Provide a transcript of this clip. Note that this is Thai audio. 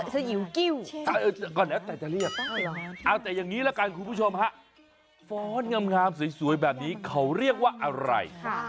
สยิ๋วกิ้วเออแต่อย่างนี้ละกันคุณผู้ชมฟ้อนงามสวยแบบนี้เขาเรียกว่าอะไร